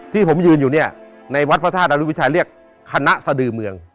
ที่ผมยืนอยู่เนี่ยในวัดพระธาตุอรุวิชัยเรียกคณะสดือเมือง